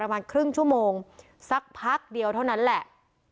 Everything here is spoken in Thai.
ประมาณครึ่งชั่วโมงสักพักเดียวเท่านั้นแหละ